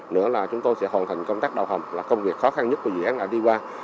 nữa là chúng tôi sẽ hoàn thành công tác đào hầm là công việc khó khăn nhất của dự án là đi qua